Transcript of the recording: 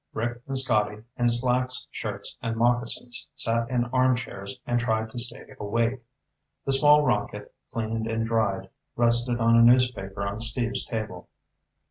Rick and Scotty, in slacks, shirts, and moccasins, sat in armchairs and tried to stay awake. The small rocket, cleaned and dried, rested on a newspaper on Steve's table.